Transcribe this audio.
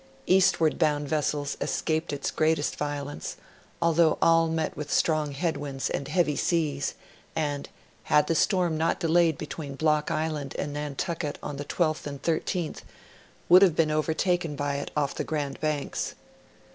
Eastward bound vessels escaped its greatest violence, although all met with strong head winds and heavy seas, and, had the storm not delayed between Block Island and Nantucket on the 12th and 13th, would have been overtaken by it off the Grand banks.